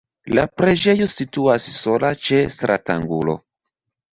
La preĝejo situas sola ĉe stratangulo.